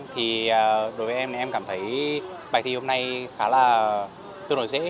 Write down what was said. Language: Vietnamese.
thì đối với em em cảm thấy bài thi hôm nay khá là tương đối dễ